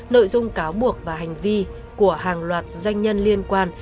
nội dung cáo buộc và hành vi của hàng loạt doanh nhân liên quan